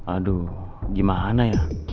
aduh gimana ya kalau sampai saya ditangkap